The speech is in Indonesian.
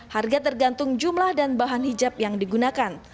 harga tergantung jumlah dan bahan hijab yang digunakan